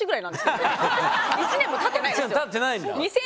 １年もたってないですよ。